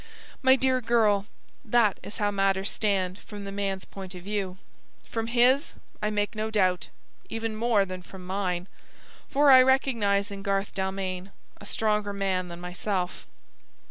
My dear girl, that is how matters stand from the man's point of view; from his, I make no doubt, even more than from mine; for I recognise in Garth Dalmain a stronger man than myself.